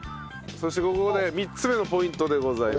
そしてここで３つ目のポイントでございます。